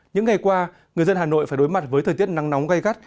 những ngày qua người dân hà nội phải đối mặt với thời tiết nắng nóng gây gắt